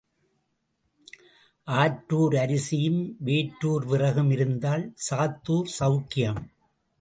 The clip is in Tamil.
ஆற்றுார் அரிசியும் வேற்றூர் விறகும் இருந்தால் சாத்தூர் செளக்கியம்.